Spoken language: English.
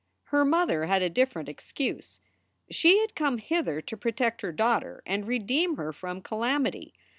Her mother had a different excuse; she had come hither to protect her daughter and redeem her from calamity.